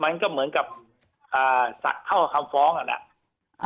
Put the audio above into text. มันก็เหมือนกับอ่าสักเท่ากับคำฟ้องอ่ะนะ